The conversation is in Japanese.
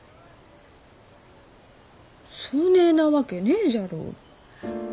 そねえなわけねえじゃろう。